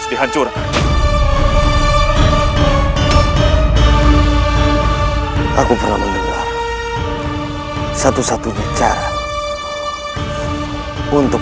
ada kekuatan gelap yang sangat luar biasa di dalam tubuhku